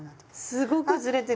すごくずれてる！